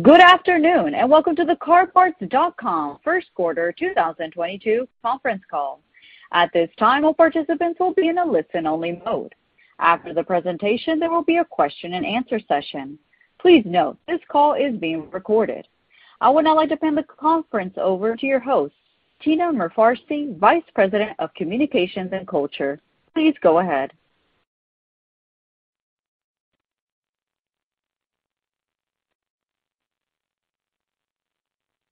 Good afternoon, and welcome to the CarParts.com first quarter 2022 conference call. At this time, all participants will be in a listen-only mode. After the presentation, there will be a question and answer session. Please note, this call is being recorded. I would now like to hand the conference over to your host, Tina Mirfarsi, Vice President of Communications and Culture. Please go ahead.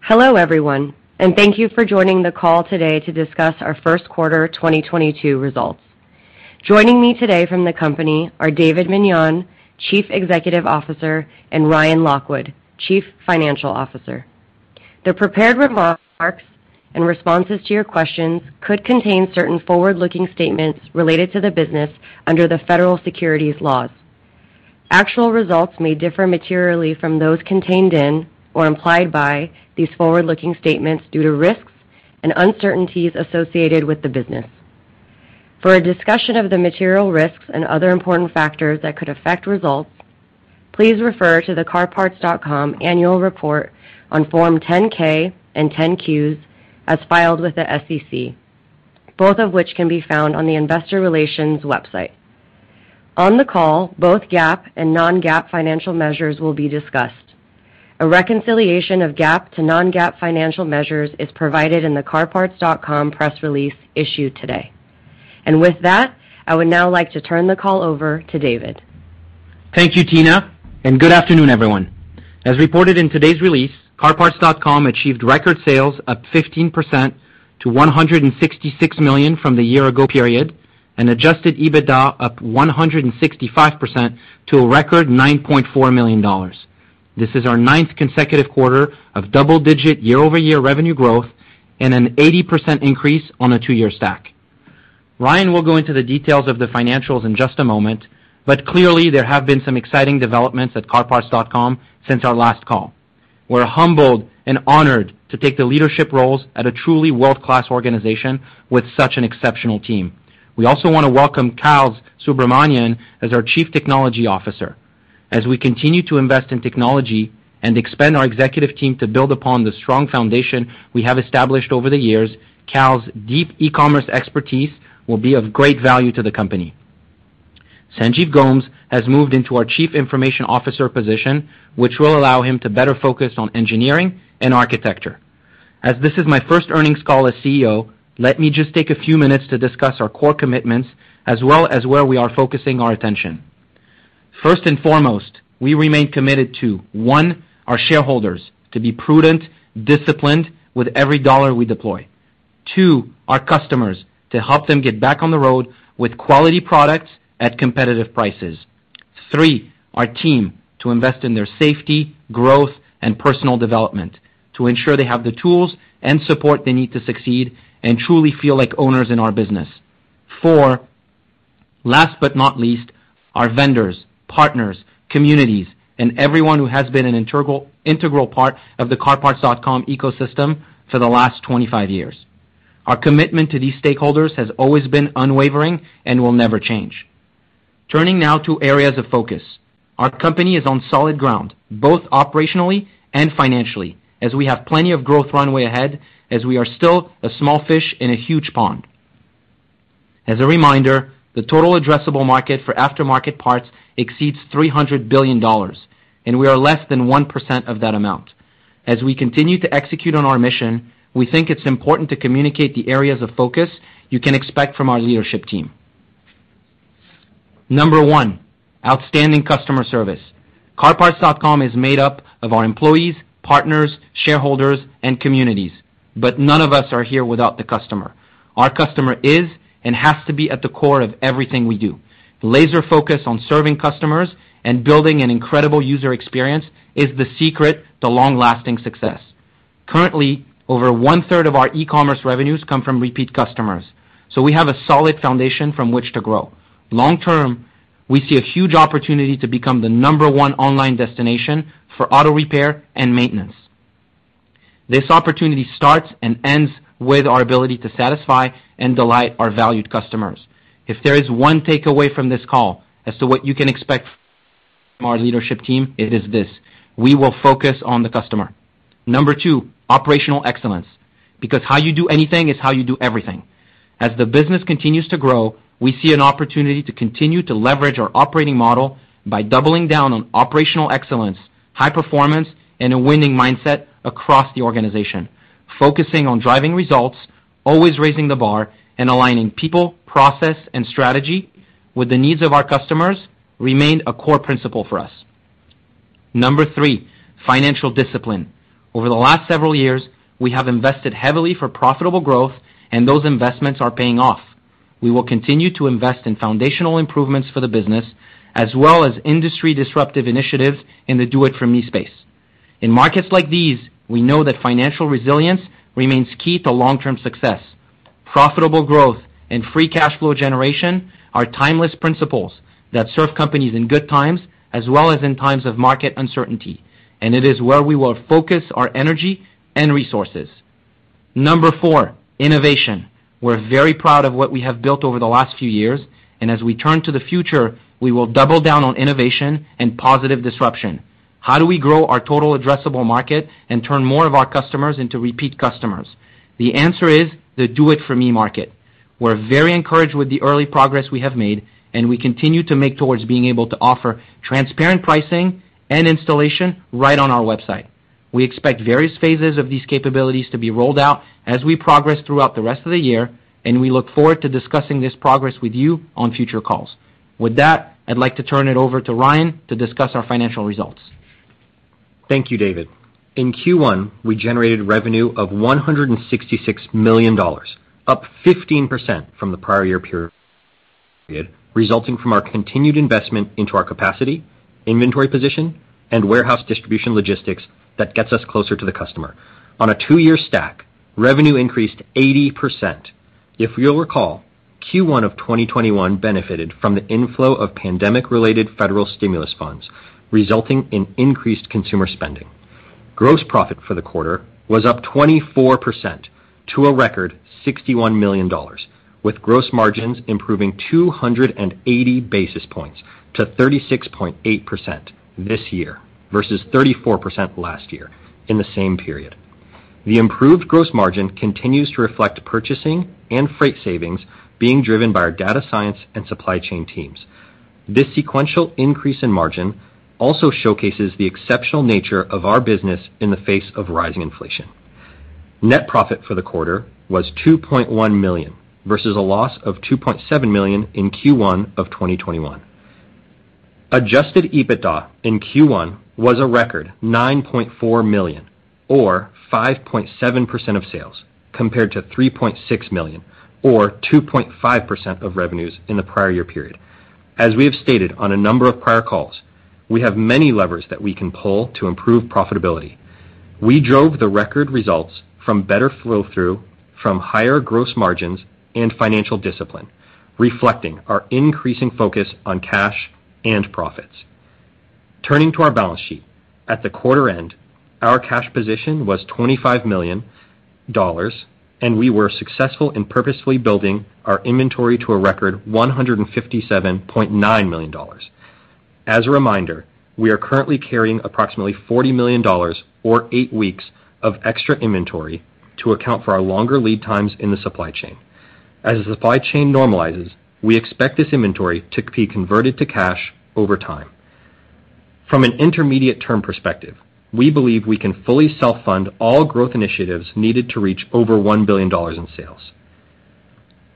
Hello, everyone, and thank you for joining the call today to discuss our first quarter 2022 results. Joining me today from the company are David Meniane, Chief Executive Officer, and Ryan Lockwood, Chief Financial Officer. The prepared remarks and responses to your questions could contain certain forward-looking statements related to the business under the federal securities laws. Actual results may differ materially from those contained in or implied by these forward-looking statements due to risks and uncertainties associated with the business. For a discussion of the material risks and other important factors that could affect results, please refer to the CarParts.com annual report on Form 10-K and Form 10-Qs as filed with the SEC, both of which can be found on the investor relations website. On the call, both GAAP and non-GAAP financial measures will be discussed. A reconciliation of GAAP to non-GAAP financial measures is provided in the CarParts.com press release issued today. With that, I would now like to turn the call over to David. Thank you, Tina, and good afternoon, everyone. As reported in today's release, CarParts.com achieved record sales up 15% to $166 million from the year ago period, and adjusted EBITDA up 165% to a record $9.4 million. This is our ninth consecutive quarter of double-digit year-over-year revenue growth and an 80% increase on a two-year stack. Ryan will go into the details of the financials in just a moment, but clearly there have been some exciting developments at CarParts.com since our last call. We're humbled and honored to take the leadership roles at a truly world-class organization with such an exceptional team. We also wanna welcome Kals Subramanian as our Chief Technology Officer. As we continue to invest in technology and expand our executive team to build upon the strong foundation we have established over the years, Kals deep e-commerce expertise will be of great value to the company. Sanjiv Gomes has moved into our Chief Information Officer position, which will allow him to better focus on engineering and architecture. As this is my first earnings call as CEO, let me just take a few minutes to discuss our core commitments as well as where we are focusing our attention. First and foremost, we remain committed to, one, our shareholders, to be prudent, disciplined with every dollar we deploy. Two, our customers, to help them get back on the road with quality products at competitive prices. Three, our team, to invest in their safety, growth, and personal development to ensure they have the tools and support they need to succeed and truly feel like owners in our business. Four, last but not least, our vendors, partners, communities, and everyone who has been an integral part of the CarParts.com ecosystem for the last 25 years. Our commitment to these stakeholders has always been unwavering and will never change. Turning now to areas of focus. Our company is on solid ground, both operationally and financially, as we have plenty of growth runway ahead as we are still a small fish in a huge pond. As a reminder, the total addressable market for aftermarket parts exceeds $300 billion, and we are less than 1% of that amount. As we continue to execute on our mission, we think it's important to communicate the areas of focus you can expect from our leadership team. Number one, outstanding customer service. CarParts.com is made up of our employees, partners, shareholders, and communities, but none of us are here without the customer. Our customer is and has to be at the core of everything we do. Laser-focused on serving customers and building an incredible user experience is the secret to long-lasting success. Currently, over 1/3 of our e-commerce revenues come from repeat customers, so we have a solid foundation from which to grow. Long term, we see a huge opportunity to become the number one online destination for auto repair and maintenance. This opportunity starts and ends with our ability to satisfy and delight our valued customers. If there is one takeaway from this call as to what you can expect from our leadership team, it is this. We will focus on the customer. Number two, operational excellence, because how you do anything is how you do everything. As the business continues to grow, we see an opportunity to continue to leverage our operating model by doubling down on operational excellence, high performance, and a winning mindset across the organization. Focusing on driving results, always raising the bar, and aligning people, process, and strategy with the needs of our customers remained a core principle for us. Number three, financial discipline. Over the last several years, we have invested heavily for profitable growth, and those investments are paying off. We will continue to invest in foundational improvements for the business as well as industry disruptive initiatives in the Do It For Me space. In markets like these, we know that financial resilience remains key to long-term success. Profitable growth and free cash flow generation are timeless principles that serve companies in good times as well as in times of market uncertainty, and it is where we will focus our energy and resources. Number four, innovation. We're very proud of what we have built over the last few years, and as we turn to the future, we will double down on innovation and positive disruption. How do we grow our total addressable market and turn more of our customers into repeat customers? The answer is the Do It For Me market. We're very encouraged with the early progress we have made, and we continue to make towards being able to offer transparent pricing and installation right on our website. We expect various phases of these capabilities to be rolled out as we progress throughout the rest of the year, and we look forward to discussing this progress with you on future calls. With that, I'd like to turn it over to Ryan to discuss our financial results. Thank you, David. In Q1, we generated revenue of $166 million, up 15% from the prior year period, resulting from our continued investment into our capacity, inventory position, and warehouse distribution logistics that gets us closer to the customer. On a two-year stack, revenue increased 80%. If you'll recall, Q1 of 2021 benefited from the inflow of pandemic-related federal stimulus funds, resulting in increased consumer spending. Gross profit for the quarter was up 24% to a record $61 million, with gross margins improving 280 basis points to 36.8% this year versus 34% last year in the same period. The improved gross margin continues to reflect purchasing and freight savings being driven by our data science and supply chain teams. This sequential increase in margin also showcases the exceptional nature of our business in the face of rising inflation. Net profit for the quarter was $2.1 million versus a loss of $2.7 million in Q1 of 2021. Adjusted EBITDA in Q1 was a record $9.4 million or 5.7% of sales, compared to $3.6 million or 2.5% of revenues in the prior year period. As we have stated on a number of prior calls, we have many levers that we can pull to improve profitability. We drove the record results from better flow-through from higher gross margins and financial discipline, reflecting our increasing focus on cash and profits. Turning to our balance sheet. At the quarter end, our cash position was $25 million, and we were successful in purposefully building our inventory to a record $157.9 million. As a reminder, we are currently carrying approximately $40 million or eight weeks of extra inventory to account for our longer lead times in the supply chain. As the supply chain normalizes, we expect this inventory to be converted to cash over time. From an intermediate term perspective, we believe we can fully self-fund all growth initiatives needed to reach over $1 billion in sales.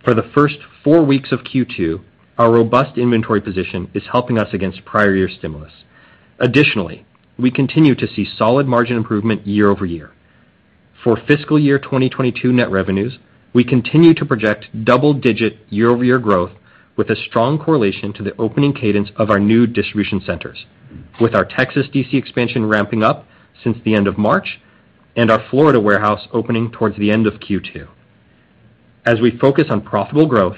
For the first four weeks of Q2, our robust inventory position is helping us against prior year stimulus. Additionally, we continue to see solid margin improvement year-over-year. For fiscal year 2022 net revenues, we continue to project double-digit year-over-year growth with a strong correlation to the opening cadence of our new distribution centers. With our Texas DC expansion ramping up since the end of March and our Florida warehouse opening towards the end of Q2. As we focus on profitable growth,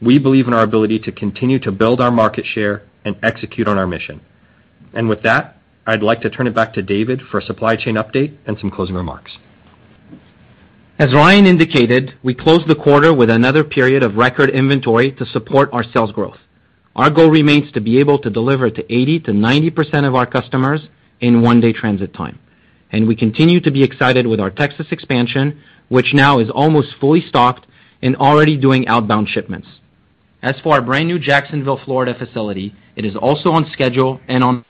we believe in our ability to continue to build our market share and execute on our mission. With that, I'd like to turn it back to David for a supply chain update and some closing remarks. As Ryan indicated, we closed the quarter with another period of record inventory to support our sales growth. Our goal remains to be able to deliver to 80%-90% of our customers in one-day transit time. We continue to be excited with our Texas expansion, which now is almost fully stocked and already doing outbound shipments. As for our brand new Jacksonville, Florida facility, it is also on schedule and on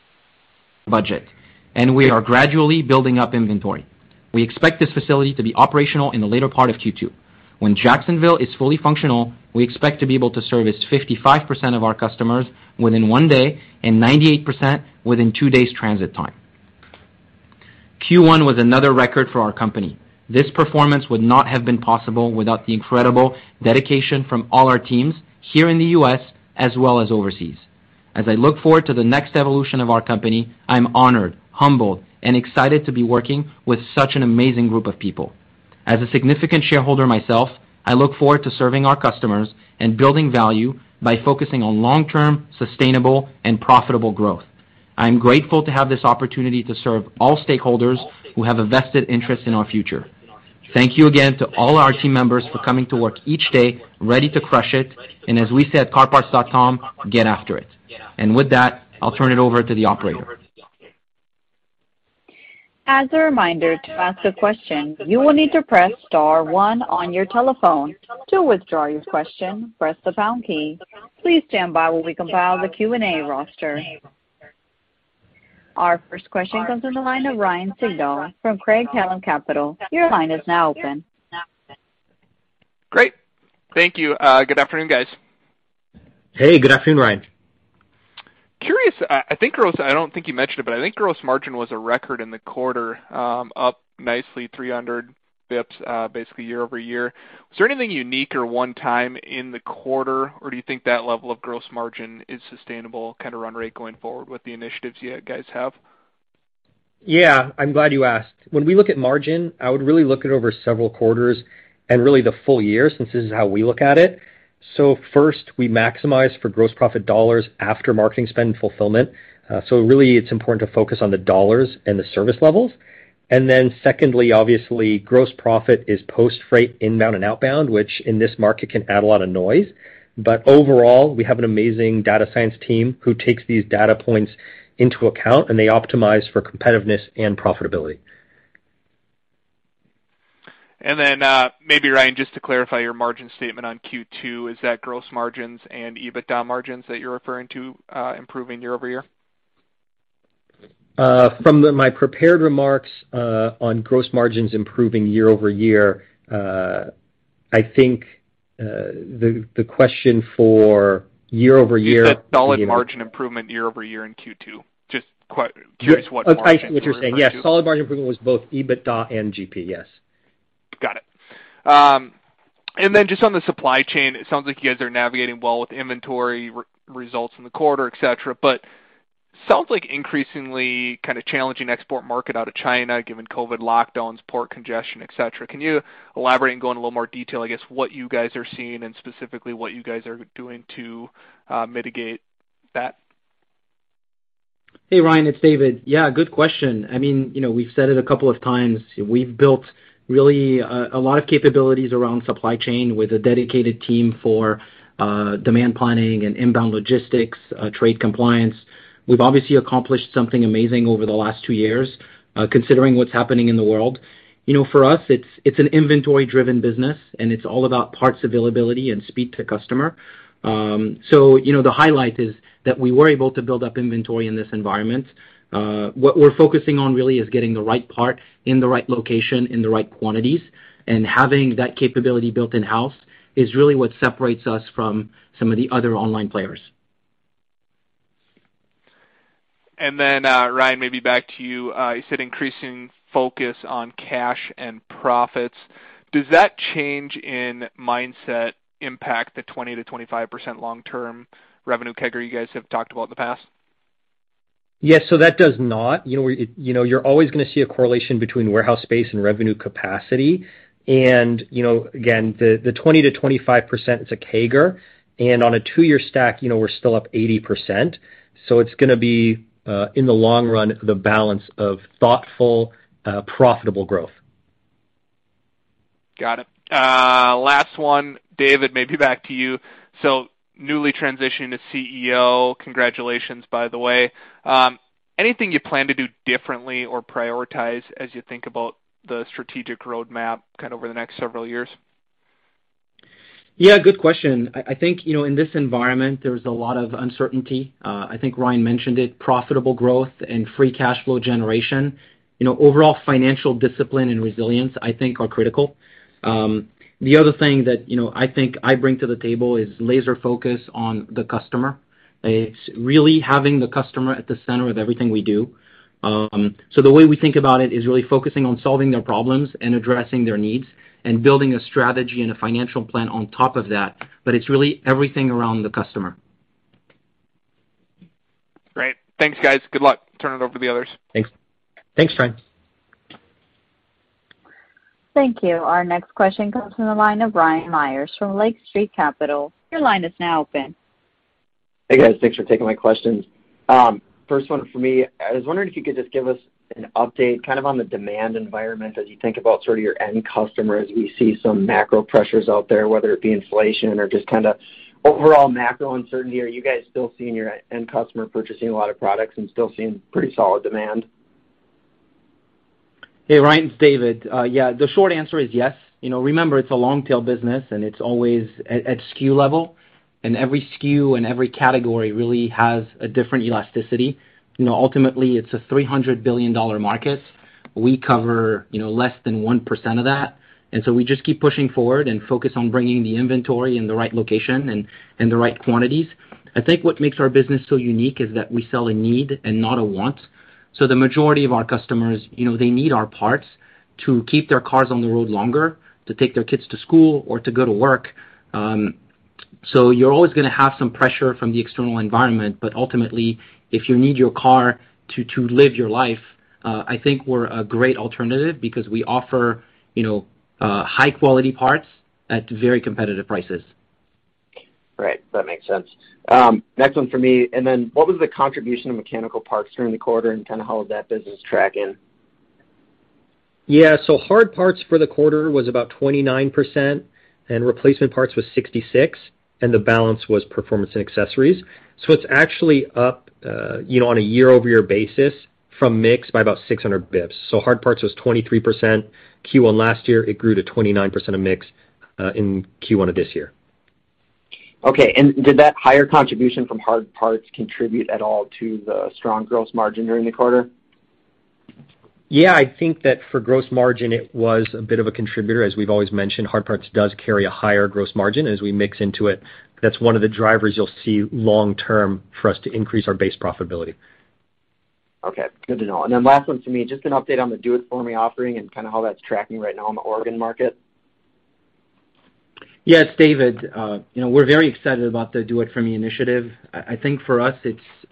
budget, and we are gradually building up inventory. We expect this facility to be operational in the later part of Q2. When Jacksonville is fully functional, we expect to be able to service 55% of our customers within one day and 98% within two days transit time. Q1 was another record for our company. This performance would not have been possible without the incredible dedication from all our teams here in the U.S. as well as overseas. As I look forward to the next evolution of our company, I'm honored, humbled, and excited to be working with such an amazing group of people. As a significant shareholder myself, I look forward to serving our customers and building value by focusing on long-term, sustainable, and profitable growth. I'm grateful to have this opportunity to serve all stakeholders who have a vested interest in our future. Thank you again to all our team members for coming to work each day ready to crush it, and as we say at CarParts.com, get after it. With that, I'll turn it over to the operator. As a reminder, to ask a question, you will need to press star one on your telephone. To withdraw your question, press the pound key. Please stand by while we compile the Q&A roster. Our first question comes from the line of Ryan Sigdahl from Craig-Hallum Capital Group. Your line is now open. Great. Thank you. Good afternoon, guys. Hey, good afternoon, Ryan. Curious, I don't think you mentioned it, but I think gross margin was a record in the quarter, up nicely 300 BPS, basically year-over-year. Was there anything unique or one-time in the quarter, or do you think that level of gross margin is sustainable kinda run rate going forward with the initiatives you guys have? Yeah, I'm glad you asked. When we look at margin, I would really look at over several quarters. Really the full year since this is how we look at it. First, we maximize for gross profit dollars after marketing spend fulfillment. So really, it's important to focus on the dollars and the service levels. Secondly, obviously, gross profit is post freight inbound and outbound, which in this market can add a lot of noise. Overall, we have an amazing data science team who takes these data points into account, and they optimize for competitiveness and profitability. Maybe Ryan, just to clarify your margin statement on Q2, is that gross margins and EBITDA margins that you're referring to, improving year-over-year? My prepared remarks on gross margins improving year-over-year, I think, the question for year-over-year. You said solid margin improvement year over year in Q2. Just curious what margin you're referring to? Oh, I see what you're saying. Yes, solid margin improvement was both EBITDA and GP. Yes. Got it. Just on the supply chain, it sounds like you guys are navigating well with inventory results in the quarter, et cetera. It sounds like increasingly kind of challenging export market out of China, given COVID lockdowns, port congestion, et cetera. Can you elaborate and go in a little more detail, I guess, what you guys are seeing and specifically what you guys are doing to mitigate that? Hey, Ryan, it's David. Yeah, good question. I mean, you know, we've said it a couple of times. We've built really a lot of capabilities around supply chain with a dedicated team for demand planning and inbound logistics, trade compliance. We've obviously accomplished something amazing over the last two years, considering what's happening in the world. You know, for us, it's an inventory-driven business, and it's all about parts availability and speed to customer. You know, the highlight is that we were able to build up inventory in this environment. What we're focusing on really is getting the right part in the right location in the right quantities, and having that capability built in-house is really what separates us from some of the other online players. Then, Ryan, maybe back to you. You said increasing focus on cash and profits. Does that change in mindset impact the 20%-25% long-term revenue CAGR you guys have talked about in the past? Yes. That does not. You know, you're always gonna see a correlation between warehouse space and revenue capacity. You know, again, the 20%-25% is a CAGR. On a two-year stack, you know, we're still up 80%. It's gonna be, in the long run, the balance of thoughtful, profitable growth. Got it. Last one, David, maybe back to you. Newly transitioned to CEO, congratulations, by the way. Anything you plan to do differently or prioritize as you think about the strategic roadmap kind of over the next several years? Yeah, good question. I think, you know, in this environment, there's a lot of uncertainty. I think Ryan mentioned it, profitable growth and free cash flow generation. You know, overall financial discipline and resilience, I think are critical. The other thing that, you know, I think I bring to the table is laser focus on the customer. It's really having the customer at the center of everything we do. The way we think about it is really focusing on solving their problems and addressing their needs and building a strategy and a financial plan on top of that. It's really everything around the customer. Great. Thanks, guys. Good luck. Turn it over to the others. Thanks. Thanks, Ryan. Thank you. Our next question comes from the line of Ryan Meyers from Lake Street Capital. Your line is now open. Hey, guys. Thanks for taking my questions. First one for me, I was wondering if you could just give us an update kind of on the demand environment as you think about sort of your end customer as we see some macro pressures out there, whether it be inflation or just kinda overall macro uncertainty. Are you guys still seeing your end customer purchasing a lot of products and still seeing pretty solid demand? Hey, Ryan, it's David. Yeah, the short answer is yes. You know, remember, it's a long-tail business, and it's always at SKU level, and every SKU and every category really has a different elasticity. You know, ultimately, it's a $300 billion market. We cover, you know, less than 1% of that. We just keep pushing forward and focus on bringing the inventory in the right location and the right quantities. I think what makes our business so unique is that we sell a need and not a want. The majority of our customers, you know, they need our parts to keep their cars on the road longer, to take their kids to school or to go to work. You're always gonna have some pressure from the external environment, but ultimately, if you need your car to live your life, I think we're a great alternative because we offer, you know, high-quality parts at very competitive prices. Right. That makes sense. Next one for me. What was the contribution of mechanical parts during the quarter and kinda how was that business tracking? Yeah. Hard parts for the quarter was about 29%, and replacement parts was 66%, and the balance was performance and accessories. It's actually up, you know, on a year-over-year basis from mix by about 600 basis points. Hard parts was 23% Q1 last year. It grew to 29% of mix in Q1 of this year. Okay. Did that higher contribution from hard parts contribute at all to the strong gross margin during the quarter? Yeah. I think that for gross margin, it was a bit of a contributor. As we've always mentioned, hard parts does carry a higher gross margin as we mix into it. That's one of the drivers you'll see long term for us to increase our base profitability. Okay, good to know. Last one for me, just an update on the Do It For Me offering and kinda how that's tracking right now in the Oregon market. Yes, it's David, you know, we're very excited about the Do It For Me initiative. I think for us,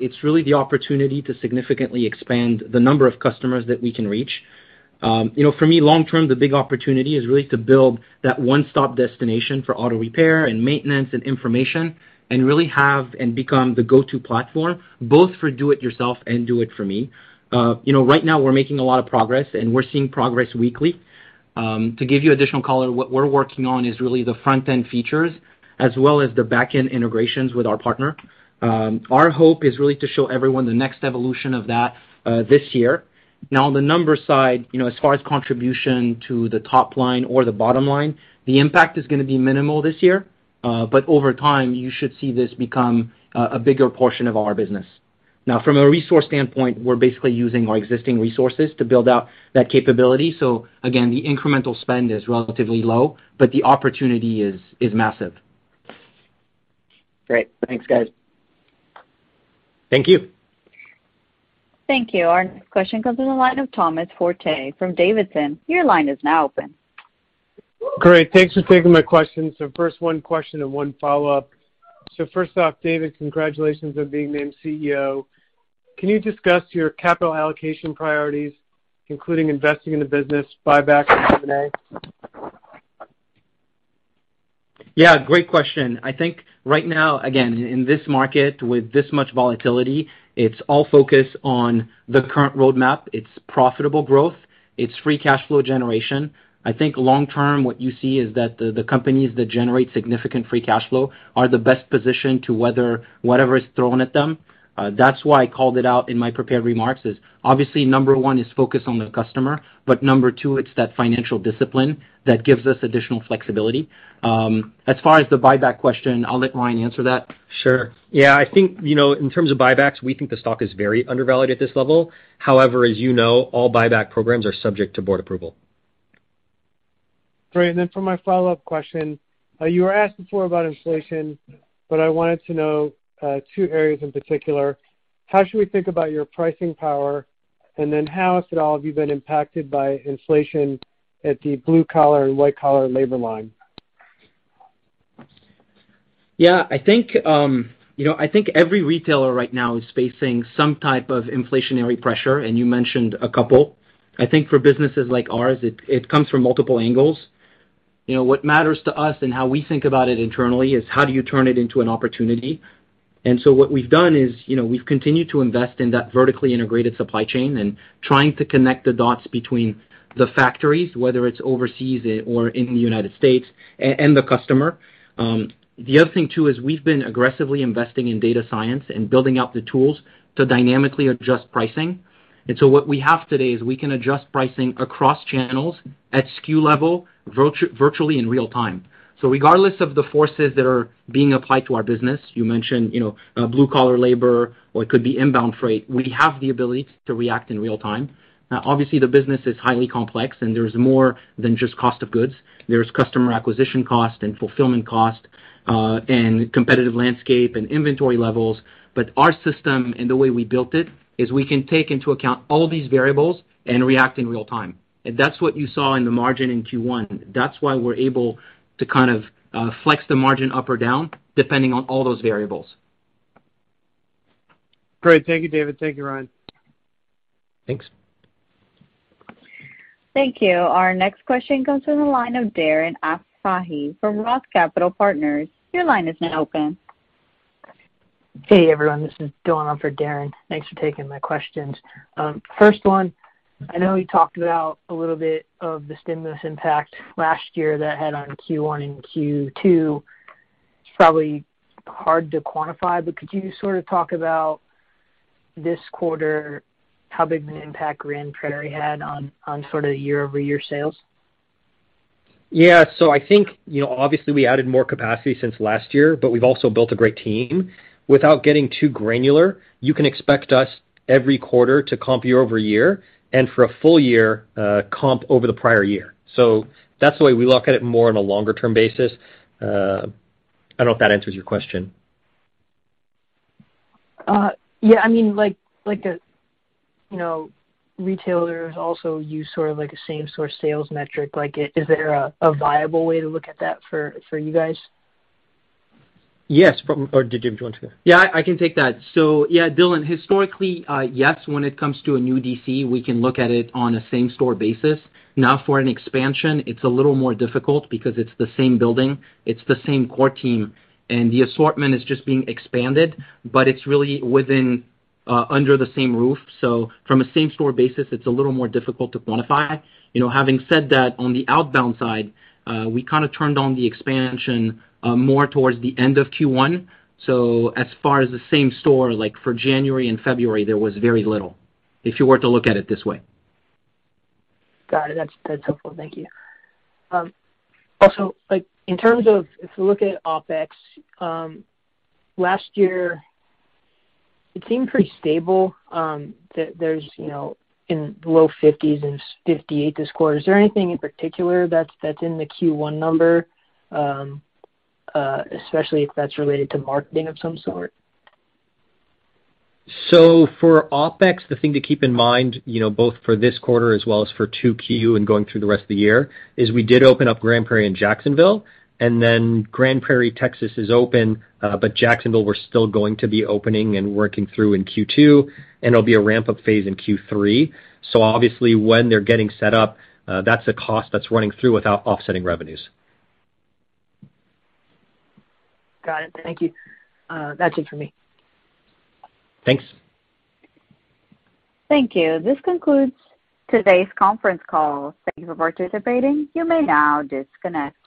it's really the opportunity to significantly expand the number of customers that we can reach. You know, for me, long term, the big opportunity is really to build that one-stop destination for auto repair and maintenance and information and really have and become the go-to platform, both for Do It Yourself and Do It For Me. Right now we're making a lot of progress, and we're seeing progress weekly. To give you additional color, what we're working on is really the front-end features as well as the backend integrations with our partner. Our hope is really to show everyone the next evolution of that this year. Now, on the numbers side, you know, as far as contribution to the top line or the bottom line, the impact is gonna be minimal this year, but over time, you should see this become a bigger portion of our business. Now, from a resource standpoint, we're basically using our existing resources to build out that capability. So again, the incremental spend is relatively low, but the opportunity is massive. Great. Thanks, guys. Thank you. Thank you. Our next question comes in the line of Thomas Forte from D.A. Davidson. Your line is now open. Great. Thanks for taking my questions. First, one question and one follow-up. First off, David, congratulations on being named CEO. Can you discuss your capital allocation priorities, including investing in the business, buyback, or M&A? Yeah, great question. I think right now, again, in this market with this much volatility, it's all focused on the current roadmap. It's profitable growth. It's free cash flow generation. I think long term, what you see is that the companies that generate significant free cash flow are the best positioned to weather whatever is thrown at them. That's why I called it out in my prepared remarks is obviously number one is focus on the customer, but number two, it's that financial discipline that gives us additional flexibility. As far as the buyback question, I'll let Ryan answer that. Sure. Yeah, I think, you know, in terms of buybacks, we think the stock is very undervalued at this level. However, as you know, all buyback programs are subject to board approval. Great. For my follow-up question, you were asked before about inflation, but I wanted to know, two areas in particular. How should we think about your pricing power? How, if at all, have you been impacted by inflation at the blue-collar and white-collar labor line? Yeah. I think you know, I think every retailer right now is facing some type of inflationary pressure, and you mentioned a couple. I think for businesses like ours, it comes from multiple angles. You know, what matters to us and how we think about it internally is how do you turn it into an opportunity. What we've done is, you know, we've continued to invest in that vertically integrated supply chain and trying to connect the dots between the factories, whether it's overseas or in the United States, and the customer. The other thing too is we've been aggressively investing in data science and building out the tools to dynamically adjust pricing. What we have today is we can adjust pricing across channels at SKU level virtually in real time. Regardless of the forces that are being applied to our business, you mentioned, you know, blue-collar labor or it could be inbound freight, we have the ability to react in real time. Obviously the business is highly complex, and there's more than just cost of goods. There's customer acquisition cost and fulfillment cost, and competitive landscape and inventory levels. Our system and the way we built it is we can take into account all these variables and react in real time. That's what you saw in the margin in Q1. That's why we're able to kind of, flex the margin up or down depending on all those variables. Great. Thank you, David. Thank you, Ryan. Thanks. Thank you. Our next question comes from the line of Darren Aftahi from Roth Capital Partners. Your line is now open. Hey, everyone. This is Dillon on for Darren Aftahi. Thanks for taking my questions. First one, I know you talked about a little bit of the stimulus impact last year that had on Q1 and Q2. It's probably hard to quantify, but could you sort of talk about this quarter, how big of an impact Grand Prairie had on sort of year-over-year sales? Yeah. I think, you know, obviously we added more capacity since last year, but we've also built a great team. Without getting too granular, you can expect us every quarter to comp year over year, and for a full year, comp over the prior year. That's the way we look at it more on a longer-term basis. I don't know if that answers your question. Yeah. I mean, like a, you know, retailers also use sort of like a same store sales metric. Like, is there a viable way to look at that for you guys? Yes. Did you want to? Yeah, I can take that. Yeah, Dylan, historically, yes, when it comes to a new DC, we can look at it on a same store basis. Now for an expansion, it's a little more difficult because it's the same building, it's the same core team, and the assortment is just being expanded, but it's really within, under the same roof. From a same store basis, it's a little more difficult to quantify. You know, having said that, on the outbound side, we kinda turned on the expansion more towards the end of Q1. As far as the same store, like for January and February, there was very little, if you were to look at it this way. Got it. That's helpful. Thank you. Also, like, in terms of if you look at OpEx, last year it seemed pretty stable, there's, you know, in low 50s and 58% this quarter. Is there anything in particular that's in the Q1 number, especially if that's related to marketing of some sort? For OpEx, the thing to keep in mind, you know, both for this quarter as well as for Q2 and going through the rest of the year, is we did open up Grand Prairie in Jacksonville, and then Grand Prairie, Texas is open, but Jacksonville we're still going to be opening and working through in Q2, and it'll be a ramp-up phase in Q3. Obviously when they're getting set up, that's a cost that's running through without offsetting revenues. Got it. Thank you. That's it for me. Thanks. Thank you. This concludes today's conference call. Thank you for participating. You may now disconnect.